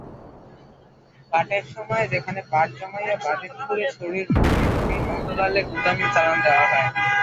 পাটের সময় সেখানে পাট জমাইয়া বাজিতপুরে শশীর ভগ্নীপতি নন্দলালের গুদামে চালান দেওয়া হয়।